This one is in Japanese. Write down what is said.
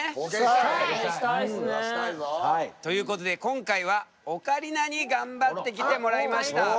貢献したい！ということで今回はオカリナに頑張ってきてもらいました。